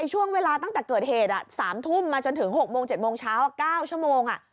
ช่วงเวลาตั้งแต่เกิดเหตุ๓ทุ่มมาจนถึง๖โมง๗โมงเช้า๙ชั่วโมง